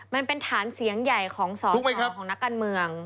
มันเป็นฐานเสียงใหญ่ของสวของนักการเมือง